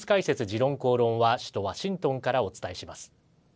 「時論公論」は首都ワシントンからお伝えします。